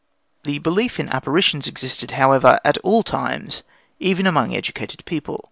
The belief in apparitions existed, however, at all times, even among educated people.